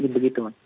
begitu begitu mas